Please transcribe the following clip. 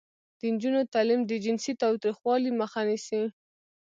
د نجونو تعلیم د جنسي تاوتریخوالي مخه نیسي.